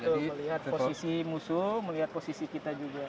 betul melihat posisi musuh melihat posisi kita juga